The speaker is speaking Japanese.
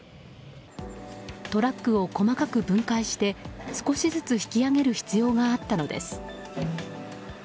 トラックを細かく分解して少しずつ引き上げる必要があったのです。